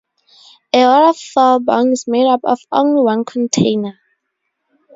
A waterfall bong is made up of only one container.